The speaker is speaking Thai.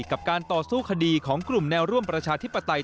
กับการต่อสู้คดีของกลุ่มแนวร่วมประชาธิปไตย